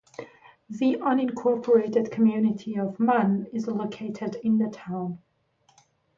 The unincorporated community of Mann is located in the town.